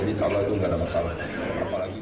jadi insya allah itu tidak ada masalah